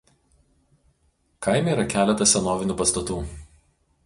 Kaime yra keletas senovinių pastatų.